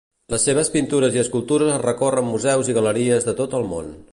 Les seves pintures i escultures recorren museus i galeries de tot el món.